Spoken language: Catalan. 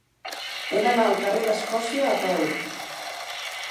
He d'anar al carrer d'Escòcia a peu.